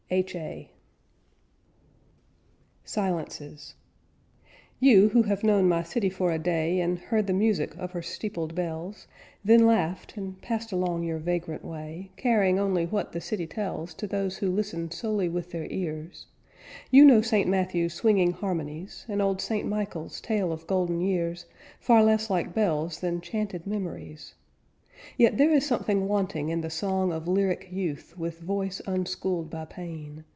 H.A. SILENCES You who have known my city for a day And heard the music of her steepled bells, Then laughed, and passed along your vagrant way, Carrying only what the city tells To those who listen solely with their ears; You know St. Matthew's swinging harmonies, And old St. Michael's tale of golden years Far less like bells than chanted memories. Yet there is something wanting in the song Of lyric youth with voice unschooled by pain.